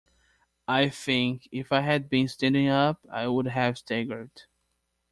I think, if I had been standing up, I would have staggered.